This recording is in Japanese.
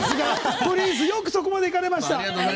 プリンス、よくそこまでいかれました。